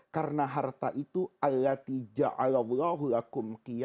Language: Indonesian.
karena harta itu